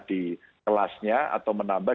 di kelasnya atau menambah